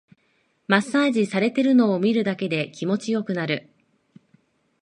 マッサージされてるのを見るだけで気持ちよくなる